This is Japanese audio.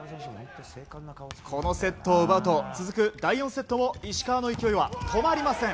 このセットを奪うと続く第４セットも石川の勢いは止まりません。